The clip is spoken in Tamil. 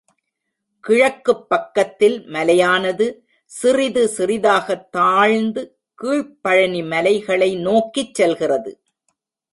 கிழக்குப் பக்கத்தில் மலையானது சிறிது சிறிதாகத் தாழ்ந்து கீழ்ப்பழனி மலைகளை நோக்கிச் செல்லுகிறது.